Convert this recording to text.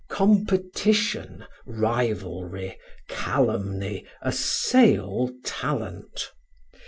Competition, rivalry, calumny assail talent.